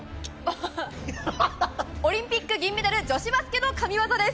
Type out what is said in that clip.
オリンピック銀メダル女子バスケの神技です。